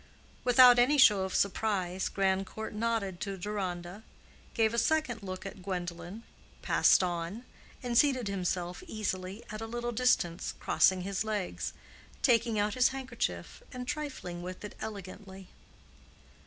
Without any show of surprise Grandcourt nodded to Deronda, gave a second look at Gwendolen, passed on, and seated himself easily at a little distance crossing his legs, taking out his handkerchief and trifling with it elegantly.